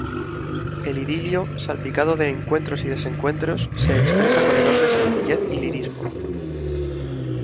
El idilio, salpicado de encuentros y desencuentros, se expresa con enorme sencillez y lirismo.